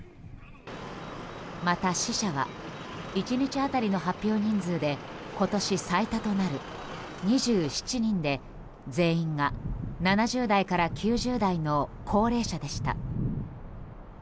また死者は１日当たりの発表人数で今年最多となる２７人で全員が７０代から９０代の高齢者でした。